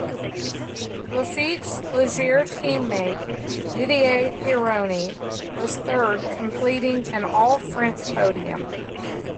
Laffite's Ligier team mate Didier Pironi was third, completing an all-French podium.